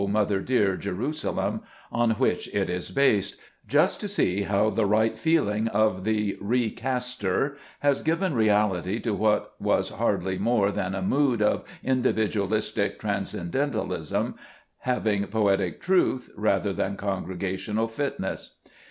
mother dear, Jerusalem," on which it is based, just to see how the right feeling of the recaster has given reality to what was hardly more than a mood of individualistic transcendentalism, having poetic truth rather than congregational fitness.